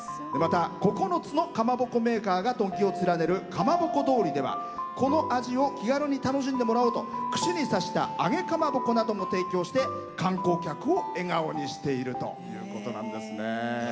また９つのかまぼこメーカーが軒を連ねるかまぼこ通りではこの味を気軽に楽しんでもらおうと串に刺した揚げかまぼこなども提供して観光客を笑顔にしているということなんですね。